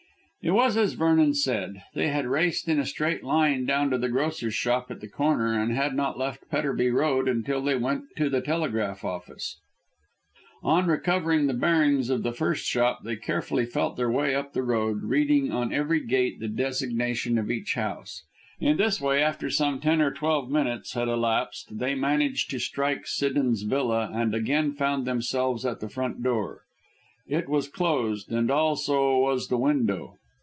It was as Vernon said. They had raced in a straight line down to the grocer's shop at the corner and had not left Petterby Road until they went to the telegraph office. On recovering the bearings of the first shop they carefully felt their way up the road, reading on every gate the designation of each house. In this way, and after some ten or twelve minutes had elapsed, they managed to strike Siddons Villa and again found themselves at the front door. It was closed, as also was the window.